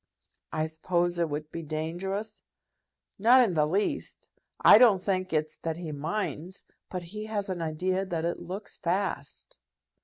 "I suppose it would be dangerous?" "Not in the least. I don't think it's that he minds; but he has an idea that it looks fast."